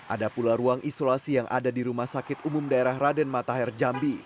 ada pula ruang isolasi yang ada di rumah sakit umum daerah raden matahir jambi